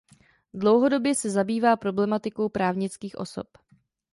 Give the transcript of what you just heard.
Dlouhodobě se zabývá problematikou právnických osob.